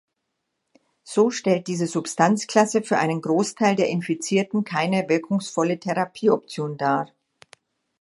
So stellt diese Substanzklasse für einen Großteil der Infizierten keine wirkungsvolle Therapieoption dar.